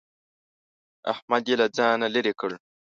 احمد يې له ځانه لرې کړ.